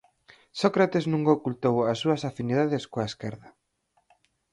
Sócrates nunca ocultou as súas afinidades coa esquerda.